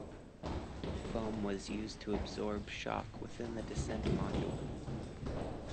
Foam was used to absorb shock within the descent module.